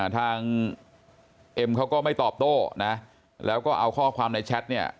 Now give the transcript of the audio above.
เอ็มเขาก็ไม่ตอบโต้นะแล้วก็เอาข้อความในแชทเนี่ย